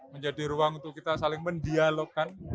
menjadi ruang untuk kita saling mendialogkan